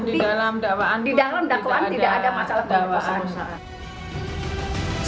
di dalam dakwaan tidak ada masalah